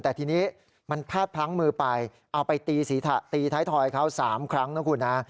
แต่ทีนี้มันพลาดพลั้งมือไปเอาไปตีท้ายทอยเขา๓ครั้งนะคุณฮะ